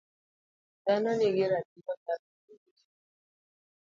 Dhano nigi ratiro mar yudo weche.